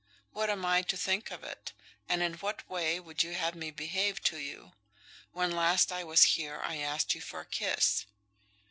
What am I to think of it, and in what way would you have me behave to you? When last I was here I asked you for a kiss."